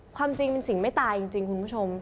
ความจริงเป็นสิ่งไม่ตายจริงคุณผู้ชม